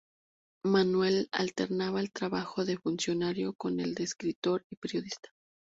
Manuel alternaba el trabajo de funcionario con el de escritor y periodista.